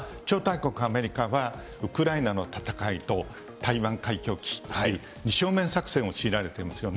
今、超大国、アメリカはウクライナの戦いと台湾海峡危機、二正面作戦を強いられていますよね。